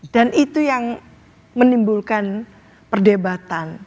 dan itu yang menimbulkan perdebatan